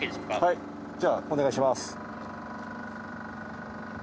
はいじゃあお願いします。